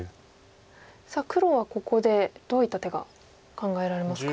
さあ黒はここでどういった手が考えられますか？